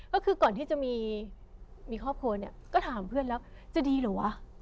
ก็คือก่อนที่จะมีครอบครัวเนี่ยก็ถามเพื่อนแล้วจะดีเหรอวะ